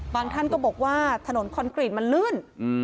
ท่านก็บอกว่าถนนคอนกรีตมันลื่น